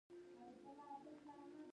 علم د انساني ارزښتونو د درک سبب دی.